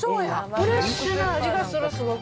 フレッシュな味がする、すごく。